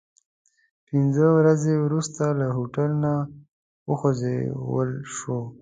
پنځه ورځې وروسته له هوټل نه وخوځول شوو.